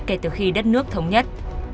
kể từ khi đất nước thống nhất